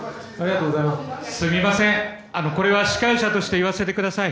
これは司会者として言わせてください。